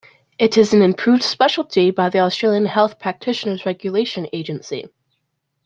It is an approved specialty by the Australian Health Practitioners Regulation Agency.